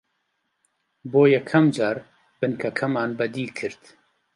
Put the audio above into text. بۆ یەکەم جار بنکەکەمان بەدی کرد